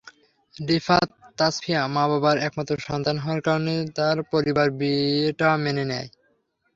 রিফাহ তাসফিয়া মা-বাবার একমাত্র সন্তান হওয়ার কারণে তাঁর পরিবার বিয়েটা মেনে নেয়।